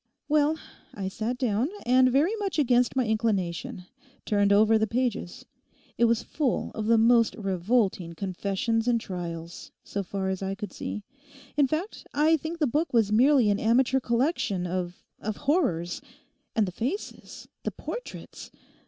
'Well, I sat down and, very much against my inclination, turned over the pages. It was full of the most revolting confessions and trials, so far as I could see. In fact, I think the book was merely an amateur collection of—of horrors. And the faces, the portraits!